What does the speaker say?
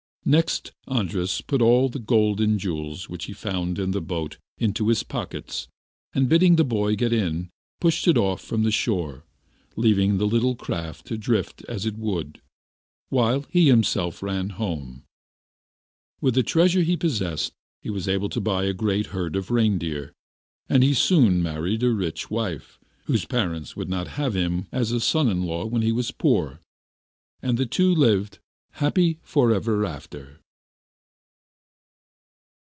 Next, Andras put all the gold and jewels which he found in the boat into his pockets, and bidding the boy get in, pushed it off from the shore, leaving the little craft to drift as it would, while he himself ran home. With the treasure he possessed he was able to buy a great herd of reindeer; and he soon married a rich wife, whose parents would not have him as a son in law when he was poor, and the two lived happy for ever after.